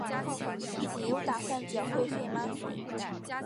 你有打算缴会费吗？